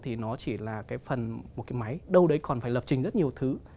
thì nó chỉ là cái phần một cái máy đâu đấy còn phải lập trình rất nhiều thứ